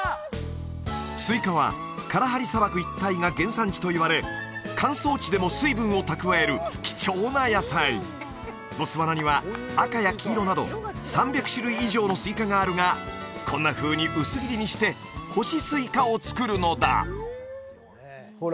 スイカはカラハリ砂漠一帯が原産地といわれ乾燥地でも水分を蓄える貴重な野菜ボツワナには赤や黄色など３００種類以上のスイカがあるがこんなふうに薄切りにして干しスイカを作るのだほら